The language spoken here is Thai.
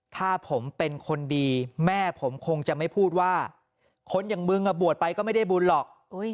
ถ้าผมเป็นคนดีแม่ผมคงจะไม่พูดว่าคนอย่างมึงบวชไปก็ไม่ได้บุญหรอก